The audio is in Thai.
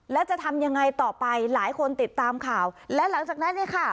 แล้วจะทำยังไงต่อไปหลายคนติดตามข่าวและหลังจากนั้นเนี่ยค่ะ